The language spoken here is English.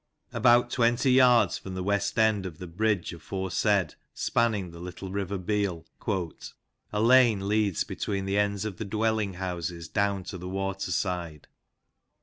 About twenty yards from the west end of the bridge aforesaid spanning the little river Beal, "a lane leads between the ends of the dwelling houses, down to the water side.